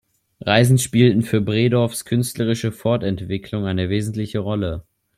Reisen spielten für Bredows künstlerische Fortentwicklung eine wesentliche Rolle.